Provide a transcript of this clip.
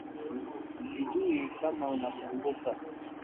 Sijui kama unakumbuka